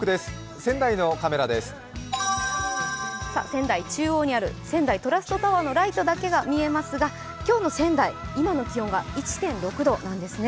仙台中央にある仙台トラストタワーのライトだけが見えますが今日の仙台、今の気温が１．６度なんですね。